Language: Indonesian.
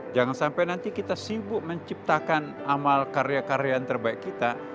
jangan sampai nanti kita sibuk menciptakan amal karya karya yang terbaik kita